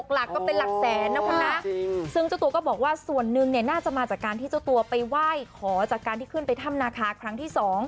หลักก็เป็นหลักแสนนะคุณนะซึ่งเจ้าตัวก็บอกว่าส่วนหนึ่งเนี่ยน่าจะมาจากการที่เจ้าตัวไปไหว้ขอจากการที่ขึ้นไปถ้ำนาคาครั้งที่๒